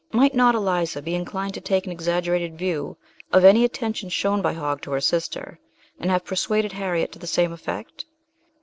Might not Eliza be inclined to take an exaggerated view of any attention shown by Hogg to her sister, and have per suaded Harriet to the same effect?